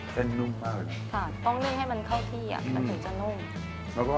เส้นนุ่มมากเลยค่ะต้องนึ่งให้มันเข้าที่อ่ะถึงจะนุ่ม